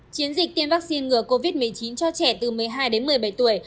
chiến dịch tiêm vaccine ngừa covid một mươi chín cho trẻ từ một mươi hai đến một mươi bảy tuổi